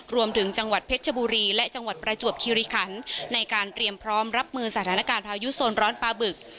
รวมถึงจังหวัดเพชรชบุรีและจังหวัดประจวบคิริคันในการเตรียมพร้อมรับมือสถานการณ์พายุโซนร้อนปลาบึก